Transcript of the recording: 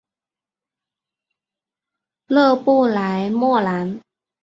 勒布莱莫兰。